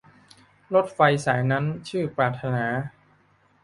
รถไฟสายนั้นชื่อปรารถนา